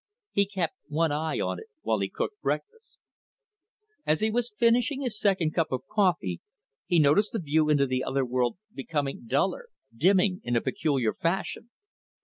He kept one eye on it while he cooked breakfast. As he was finishing his second cup of coffee, he noticed the view into the other world becoming duller, dimming in a peculiar fashion.